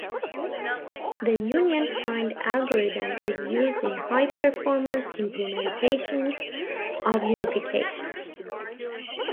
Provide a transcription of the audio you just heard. The Union-Find algorithm is used in high-performance implementations of unification.